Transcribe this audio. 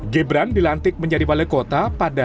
gibran dilantik menjadi wali kota